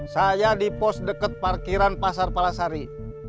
saya di pos dekat parkiran pasar palasari